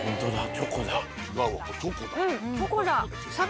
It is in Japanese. チョコだ。